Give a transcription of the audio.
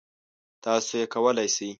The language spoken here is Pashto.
تاسو یې کولای شی.